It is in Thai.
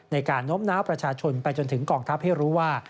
โน้มน้าวประชาชนไปจนถึงกองทัพให้รู้ว่า